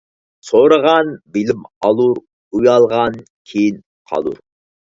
• سورىغان بىلىم ئالۇر، ئۇيالغان كېيىن قالۇر.